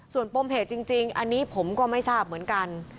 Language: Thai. ส่วนปมเหตุจริงอันนี้ผมก็ไม่ทราบเหมือนกัน